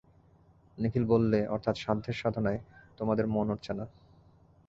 নিখিল বললে, অর্থাৎ সাধ্যের সাধনায় তোমাদের মন উঠছে না।